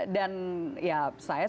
dan saya juga